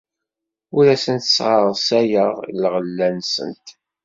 Ur asent-sserɣayeɣ lɣella-nsent.